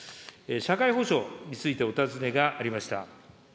社会保障についてお尋ねがありました。